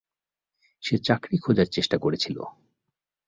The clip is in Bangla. সে চাকরি খোঁজার চেষ্টা করেছিল।